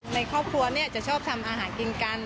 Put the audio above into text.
ในครอบครัวจะชอบทำอาหารกินกัน